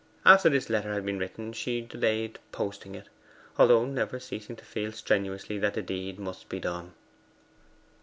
After this letter had been written she delayed posting it although never ceasing to feel strenuously that the deed must be done.